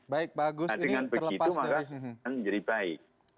nah dengan begitu maka akan menjadi baik